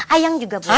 ayang juga boleh